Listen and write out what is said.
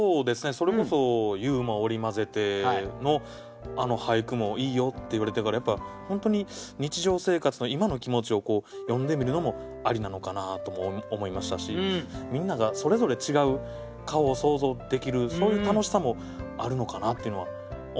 それこそユーモアを織り交ぜてのあの俳句もいいよって言われてからやっぱ本当に日常生活の今の気持ちを詠んでみるのもありなのかなとも思いましたしみんながそれぞれ違う顔を想像できるそういう楽しさもあるのかなっていうのは思いましたね。